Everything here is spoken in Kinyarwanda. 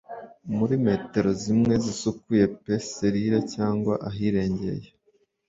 Muri metero zimwe zisukuye pe selile cyangwa ahirengeye